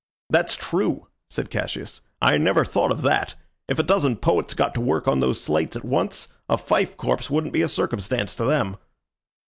"That's true," said Cassius. "I never thought of that. If a dozen poets got to work on those slates at once, a fife corps wouldn't be a circumstance to them."